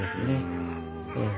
うん。